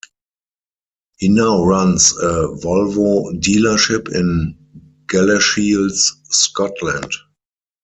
He now runs a Volvo dealership in Galashiels Scotland.